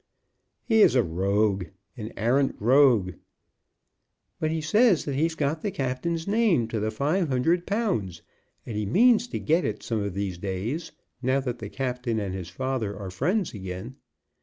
"He is a rogue, an arrant rogue!" "But he says that he's got the captain's name to the five hundred pounds; and he means to get it some of these days, now that the captain and his father are friends again.